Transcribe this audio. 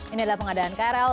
ini adalah pengadaan krl